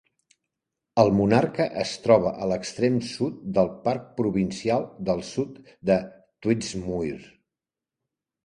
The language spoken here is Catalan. El monarca es troba a l'extrem sud del parc provincial del sud de Tweedsmuir.